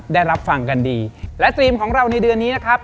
ได้รับฟังกันดีและธีมของเราในเดือนนี้นะครับ